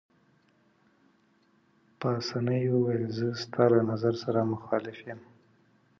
پاسیني وویل: زه ستا له نظر سره مخالف یم.